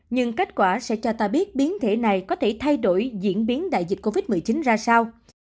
nhưng kết quả sẽ cho ta biết biến thể này có thể thay đổi diễn biến đại dịch covid một mươi chín ra sao